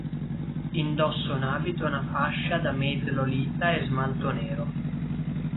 Indossa un abito e una fascia da maid lolita e smalto nero.